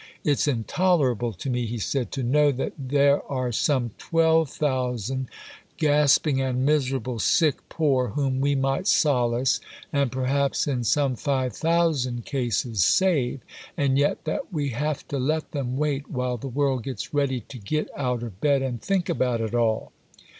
"It's intolerable to me," he said, "to know that there are some 12,000 gasping and miserable sick poor whom we might solace and perhaps in some 5000 cases save, and yet that we have to let them wait while the world gets ready to get out of bed and think about it all."